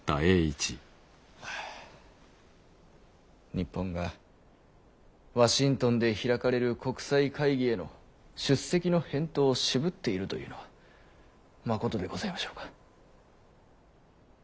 日本がワシントンで開かれる国際会議への出席の返答を渋っているというのはまことでございましょうか？